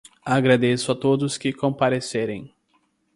Agradeço a todos que compareceram.